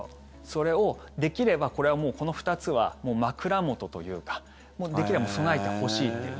それをできればこれは、この２つは枕元というかできれば備えてほしいという。